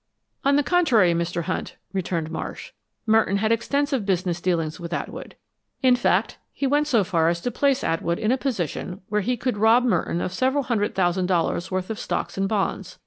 "On the contrary, Mr. Hunt," returned Marsh, "Merton had extensive business dealings with Atwood. In fact, he went so far as to place Atwood in a position where he could rob Merton of several hundred thousand dollars worth of stocks and bonds.